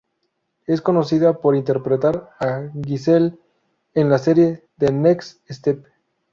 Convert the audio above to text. Es conocida por interpretar a Giselle en la serie "The Next Step".